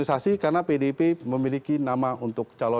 tentang asal pengecilan anaknya club basically